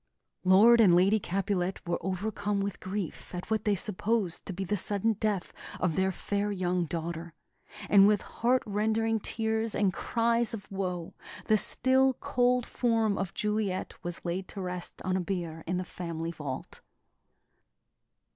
Lord and Lady Capulet were overcome with grief at what they supposed to be the sudden death of their fair young daughter; and with heart rending tears and cries of woe, the still, cold form of Juliet was laid to rest on a bier in the family vault.